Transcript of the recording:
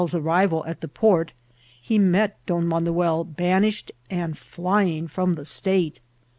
's Errival Et the port he met Don MeuqcI bsn ished End flying from the stste.